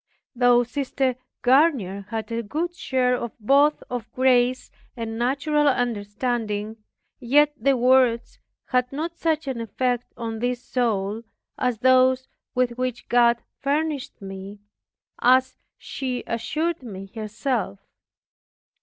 Though Sister Garnier had a good share of both of grace and natural understanding, yet her words had not such an effect on this soul as those with which God furnished me, as she assured me herself.